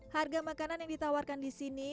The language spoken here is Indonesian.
harga makanan yang ditawarkan disini